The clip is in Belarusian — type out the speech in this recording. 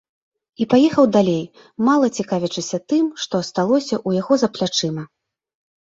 І паехаў далей, мала цікавячыся тым, што асталося ў яго за плячыма.